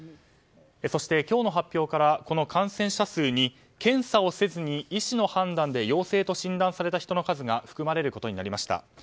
今日の発表から感染者数に検査をせずに医師の判断で陽性と診断された人の数が含まれることになりました。